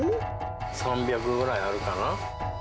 ３００ぐらいあるかな。